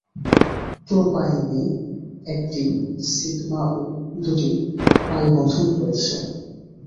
প্রোপাইনে একটি সিগমা ও দুটি পাই বন্ধন রয়েছে।